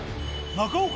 中岡！